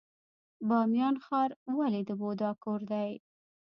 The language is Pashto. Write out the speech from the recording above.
بامیان ښار ولې د بودا کور دی؟